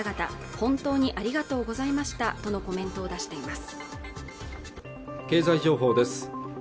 本当にありがとうございましたとのコメントを出しています